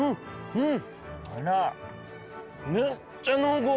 うん！